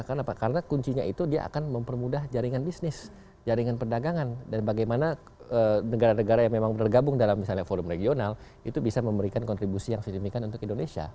karena kuncinya itu dia akan mempermudah jaringan bisnis jaringan perdagangan dan bagaimana negara negara yang memang bergabung dalam misalnya forum regional itu bisa memberikan kontribusi yang sedemikian untuk indonesia